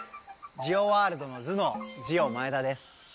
ジオワールドの頭のうジオ前田です。